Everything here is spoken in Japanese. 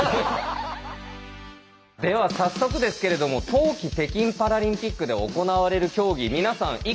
では早速ですけれども冬季北京パラリンピックで行われる競技皆さん